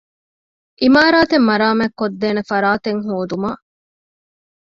ޢިމާރާތެއް މަރާމާތުކޮށްދޭނެ ފަރާތެއް ހޯދުމަށް